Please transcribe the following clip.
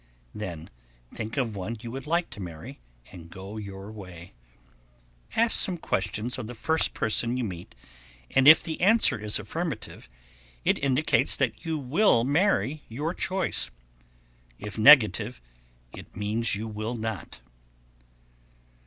Then think of one you would like to marry, and go your way. Ask some question of the first person you meet, and if the answer is affirmative, it indicates that you will marry your choice; if negative, it means you will not.